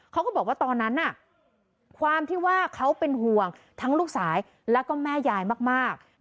เขาก็บอกว่าตอนนั้นความที่ว่าเขาเป็นห่วงทั้งลูกสายแล้วก็แม่ยายมาก